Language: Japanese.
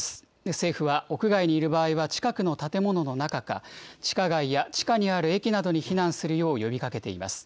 政府は屋外にいる場合は、近くの建物の中か、地下街や地下にある駅などに避難するよう呼びかけています。